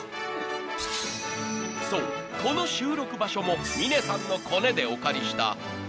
［そうこの収録場所も峰さんのコネでお借りした］